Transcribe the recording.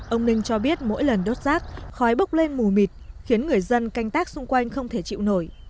ông ninh cho biết mỗi lần đốt rác khói bốc lên mù mịt khiến người dân canh tác xung quanh không thể chịu nổi